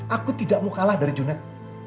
aku tidak mau kalah dari junet